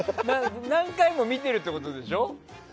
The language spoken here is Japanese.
何回も見てるってことでしょ？